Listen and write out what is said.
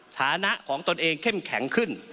ฐานะของตนเองเข้มแข็งขึ้น